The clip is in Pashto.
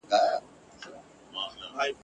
چي نه رقیب نه محتسب وي نه قاضي د محل !.